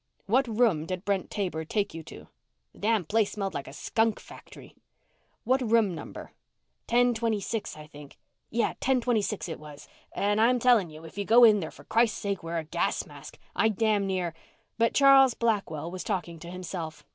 "What room did Brent Taber take you to?" "The damn place smelled like a skunk factory." "What room number?" "Ten twenty six I think. Yeah, ten twenty six it was, and I'm telling you, if you go in there, for Christ sake wear a gas mask. I damn near " But Charles Blackwell was talking to himself.